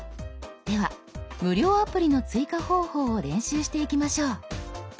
では無料アプリの追加方法を練習していきましょう。